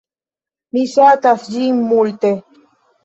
Mi ŝatas ĝin multe!